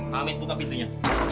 pak hamid buka pintunya